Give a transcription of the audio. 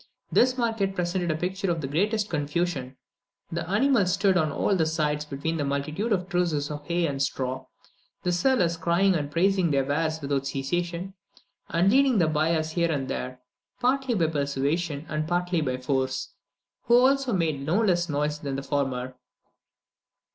This market presented a picture of the greatest confusion; the animals stood on all sides between a multitude of trusses of hay and straw, the sellers crying and praising their wares without cessation, and leading the buyers here and there, partly by persuasion and partly by force, who also made no less noise than the former.